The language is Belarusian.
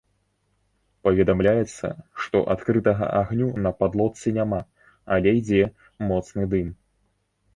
Паведамляецца, што адкрытага агню на падлодцы няма, але ідзе моцны дым.